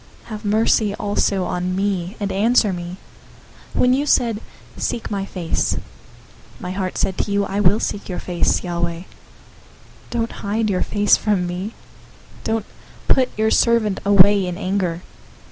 Have mercy also on me, and answer me. 027:008 When you said, "Seek my face," my heart said to you, "I will seek your face, Yahweh." 027:009 Don't hide your face from me. Don't put your servant away in anger.